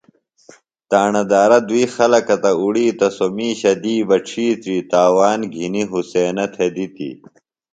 تاݨہ دارہ دُوئی خلکہ تہ اُڑیتہ سوۡ مِیشہ دی بہ ڇِھیتری تاوان گِھنیۡ حُسینہ تھےۡ دِتیۡ۔